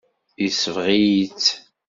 Yesbeɣ-iyi-tt.